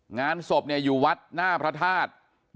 งานศพอยู่วัดหน้าพระธาตุ